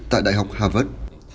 tại đại học harvard